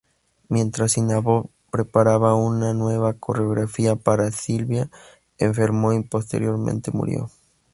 Mientras Ivánov preparaba una nueva coreografía para "Sylvia", enfermó y posteriormente murió.